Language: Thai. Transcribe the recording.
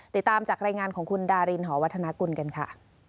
ติดตามจากรายงานของคุณดารินหอวัฒนากุลกันค่ะ